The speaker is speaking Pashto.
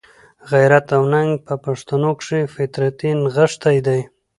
غیرت او ننګ په پښتنو کښي فطرتي نغښتی دئ.